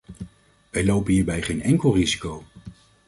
We lopen hierbij geen enkel risico.